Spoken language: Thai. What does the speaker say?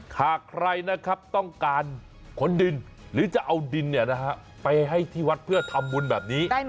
หากใครนะครับต้องการขนดินหรือจะเอาดินไปให้ที่วัดเพื่อทำบุญแบบนี้